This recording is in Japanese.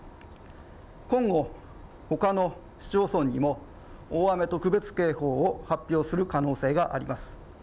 今後、ほかの市町村にも、大雨特別警報を発表する可能性があります。